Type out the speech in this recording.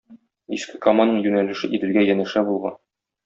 Иске Каманың юнәлеше Иделгә янәшә булган.